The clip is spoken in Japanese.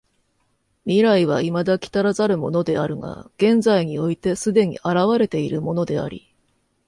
未来は未だ来らざるものであるが現在において既に現れているものであり、